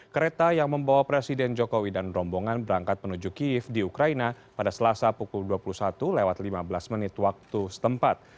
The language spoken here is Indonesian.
kereta yang membawa presiden jokowi dan rombongan berangkat menuju kiev di ukraina pada selasa pukul dua puluh satu lewat lima belas menit waktu setempat